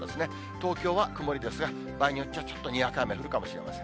東京は曇りですが、場合によっては、ちょっとにわか雨降るかもしれません。